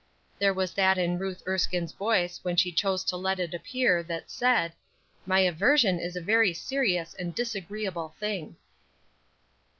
There was that in Ruth Erskine's voice when she chose to let it appear that said, "My aversion is a very serious and disagreeable thing."